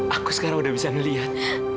aku sekarang udah bisa melihat